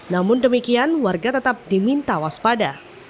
namun demikian warga tetap diminta waspada